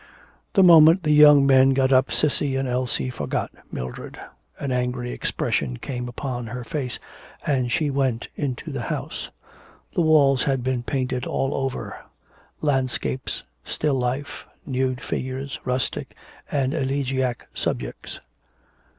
The moment the young men got up Cissy and Elsie forgot Mildred. An angry expression came upon her face and she went into the house. The walls had been painted all over landscapes, still life, nude figures, rustic, and elegiac subjects.